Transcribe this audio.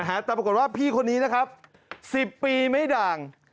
แต่ปรากฏว่าพี่คนนี้นะครับ๑๐ปีไม่ด่าง